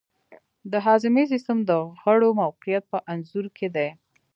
د هاضمې سیستم د غړو موقیعت په انځور کې دی.